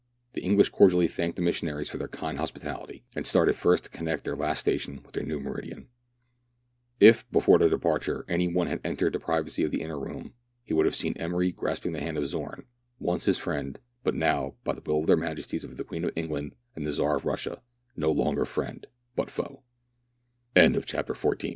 The English cordially thanked the missionaries for their kind hospitality, and started first to connect their last station with their new meridian. If, before their departure, any one had entered the privacy of the inner room, he would have seen Emeiy grasping the hand of Zorn, once his friend, but now, by the will of their Majesties the Queen of England and the